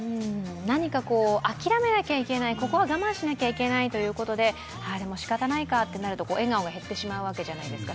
何かあきらめなきゃいけない、ここは我慢しなきゃいけないとなるとでもしかたないかってなると笑顔が減ってしまうわけじゃないですか。